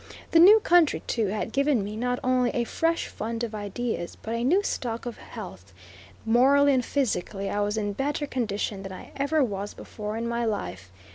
The new country, too, had given me, not only a fresh fund of ideas, but a new stock of health morally and physically I was in better condition than I ever was before in my life.